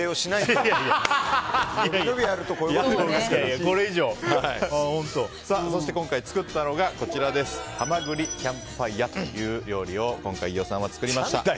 伸び伸びやるとそして今回作ったのがハマグリキャンプファイアという料理を今回、飯尾さんが作りました。